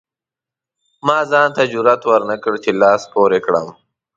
ما ځان ته جرئت ورنکړ چې لاس پورې کړم.